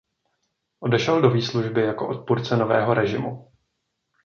Odešel do výslužby jako odpůrce nového režimu.